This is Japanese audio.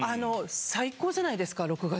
最高じゃないですか６月。